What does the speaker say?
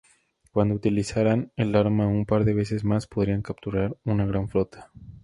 Cuando utilizaran el arma un par de veces más, podrían capturar una gran flota.